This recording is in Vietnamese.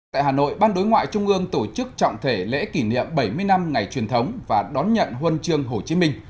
tại hà nội ban đối ngoại trung ương tổ chức trọng thể lễ kỷ niệm bảy mươi năm ngày truyền thống và đón nhận huân chương hồ chí minh